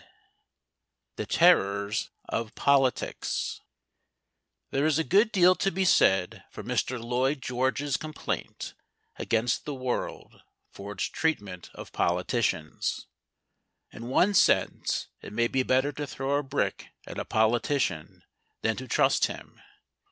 XX THE TERRORS OF POLITICS There is a good deal to be said for Mr Lloyd George's complaint against the world for its treatment of politicians. In one sense, it may be better to throw a brick at a politician than to trust him.